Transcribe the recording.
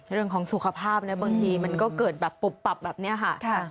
เรื่องของสุขภาพนะบางทีมันก็เกิดแบบปุบปับแบบนี้ค่ะ